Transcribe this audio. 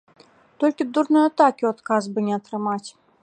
Толькі б дурной атакі ў адказ бы не атрымаць.